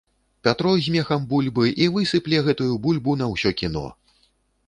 Пятро з мехам бульбы і высыпле гэтую бульбу на ўсё кіно.